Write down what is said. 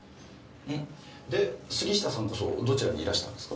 で杉下さんこそどちらにいらしたんですか？